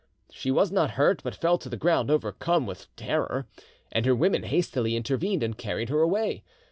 She was not hurt, but fell to the ground overcome with terror, and her women hastily intervened and carried her away.